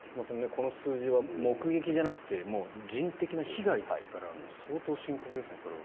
この数字は目撃じゃなくてもう人的な被害ですから相当深刻ですね、これは。